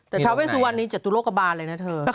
แต่ทาเวสุวรรณนี้จตุโลกบาลเลยนะเธอ